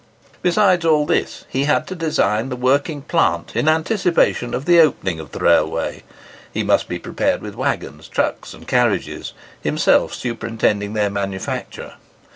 Besides all this, he had to design the working plant in anticipation of the opening of the railway. He must be prepared with waggons, trucks, and carriages, himself superintending their manufacture.